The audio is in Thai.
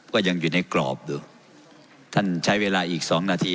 ก็ยังอยู่ในกรอบอยู่ท่านใช้เวลาอีกสองนาที